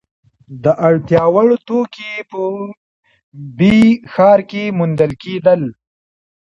د اړتیا وړ توکي په ب ښار کې موندل کیدل.